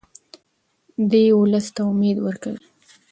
دی ولس ته امید ورکوي.